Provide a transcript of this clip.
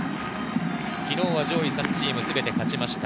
昨日は上位３チームすべて勝ちました。